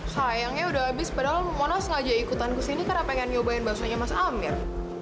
sayangnya udah abis padahal mona sengaja ikutan kesini karena pengen nyobain basuhnya mas amir